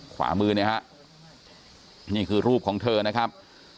ขวามือเนี่ยฮะนี่คือรูปของเธอนะครับ